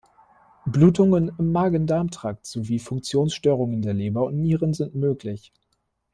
Blutungen im Magen-Darm-Trakt sowie Funktionsstörungen der Leber und Nieren sind möglich.